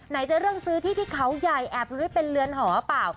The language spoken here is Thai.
ไหนจะเรื่องซื้อที่ที่เขายอายแอบรึเป็นเรือนหอบเปล่า